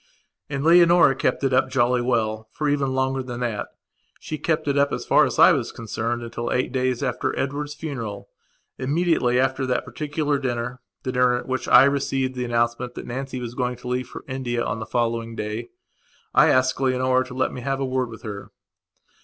And Leonora kept it up jolly well, for even longer than thatshe kept it up as far as I was concerned until eight days after Edward's funeral. Immediately after that particular dinnerthe dinner at which I received the announcement that Nancy was going to leave for India on the following dayI asked Leonora to let me have a word with her.